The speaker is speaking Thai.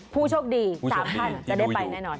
ผู้โชคดี๓ท่านจะได้ไปแน่นอน